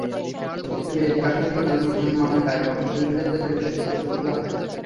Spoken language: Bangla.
কিন্তু মীর কাসেমের মামলায় অংশ নিলে তাঁর বিষয়ে প্রশ্ন তোলা হয়।